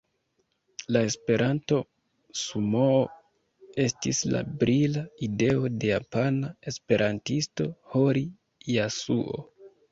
La Esperanto-sumoo estis la brila ideo de japana esperantisto, Hori Jasuo.